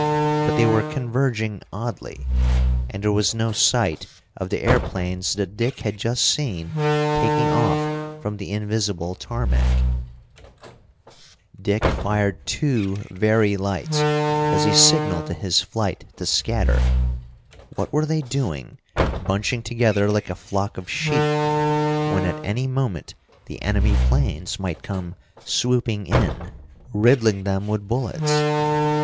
But they were converging oddly. And there was no sight of the airplanes that Dick had just seen taking off from the invisible tarmac. Dick fired two Very lights as a signal to his flight to scatter. What were they doing, bunching together like a flock of sheep, when at any moment the enemy planes might come swooping in, riddling them with bullets?